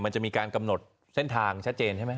มันจะมีการกำหนดเส้นทางชัดเจนใช่ไหม